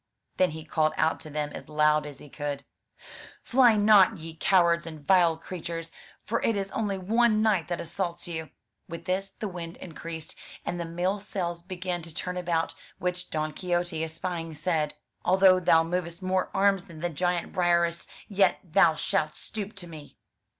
Then he called out to them as loud as he could: "Fly not, ye cowards and vile creatures! for it is only one knight that assaults you." With this the wind increased, and the mill sails began to turn about; which Don Quixote espying, said: "Although thou movest more arms than the giant Briareus, yet thou shalt stoop to me."